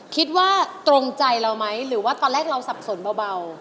คิดว่าตรงใจเราไหมหรือว่าตอนแรกเราสับสนเบา